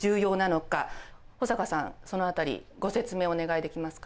保坂さんその辺りご説明をお願いできますか。